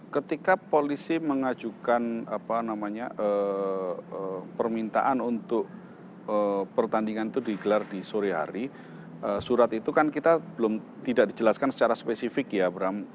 ketika polisi mengajukan permintaan untuk pertandingan itu digelar di sore hari surat itu kan kita belum tidak dijelaskan secara spesifik ya bram